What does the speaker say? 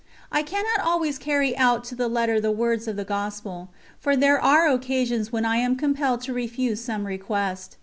I cannot always carry out to the letter the words of the Gospel, for there are occasions when I am compelled to refuse some request.